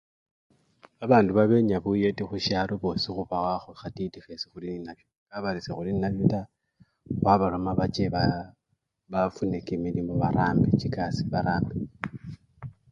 Babandu babenya buyeti khusyalo bosi khubawakho khatiti khesi khuli nenakho, kabari sekhuli nenakho taa, khwabaloma bache baa! bafune kimilimo barambe! chikasii barambe.